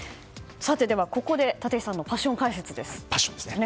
ここで立石さんのパッション解説です。